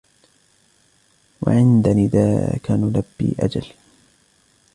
وعند نداك نلبي أجل